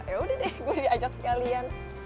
yaudah deh gue diajak sekalian